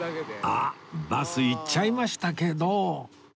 あっバス行っちゃいましたけど